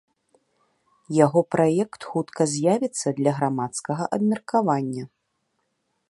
Яго праект хутка з'явіцца для грамадскага абмеркавання.